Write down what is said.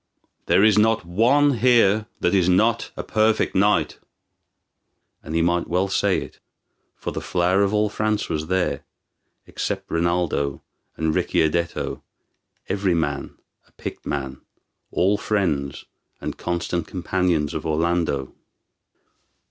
There is not one here that is not a perfect knight." And he might well say it, for the flower of all France was there, except Rinaldo and Ricciardetto every man a picked man, all friends and constant companions of Orlando.